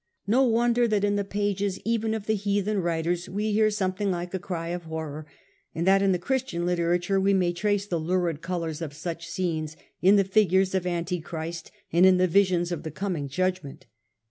No wonder that in the pages even of the heathen writers we hear something like a cry of horror, and that in the Christian literature we may trace the lurid colours of such scenes in the figures of Antichrist and in the visions of the coming judgment.